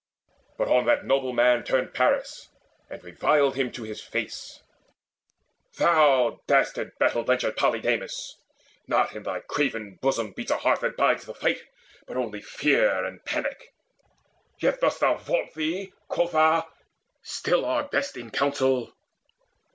But on that noble man Turned Paris, and reviled him to his face: "Thou dastard battle blencher Polydamas! Not in thy craven bosom beats a heart That bides the fight, but only fear and panic. Yet dost thou vaunt thee quotha! still our best In counsel!